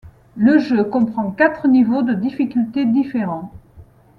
Le jeu comprend quatre niveaux de difficulté différents.